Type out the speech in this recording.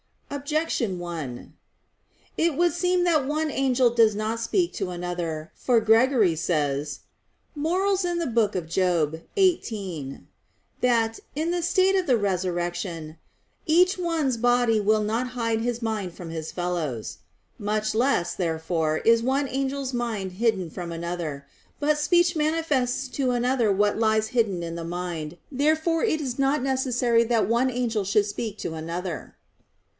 Objection 1: It would seem that one angel does not speak to another. For Gregory says (Moral. xviii) that, in the state of the resurrection "each one's body will not hide his mind from his fellows." Much less, therefore, is one angel's mind hidden from another. But speech manifests to another what lies hidden in the mind. Therefore it is not necessary that one angel should speak to another.